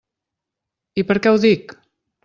I per què ho dic?